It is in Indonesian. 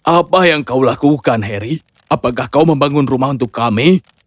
apa yang kau lakukan harry apakah kau membangun rumah untuk kami